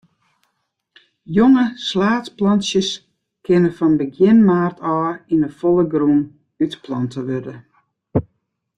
Jonge slaadplantsjes kinne fan begjin maart ôf yn 'e folle grûn útplante wurde.